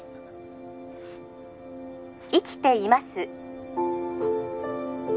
☎生きています